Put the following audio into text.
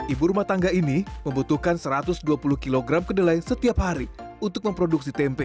ibu rumah tangga ini membutuhkan satu ratus dua puluh kg kedelai setiap hari untuk memproduksi tempe